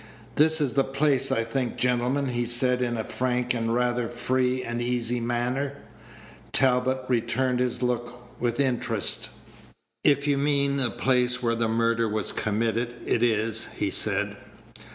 "This is the place, I think, gentlemen?" he said, in a frank and rather free and easy manner. Talbot returned his look with interest. "If you mean the place where the murder was committed, it is," he said.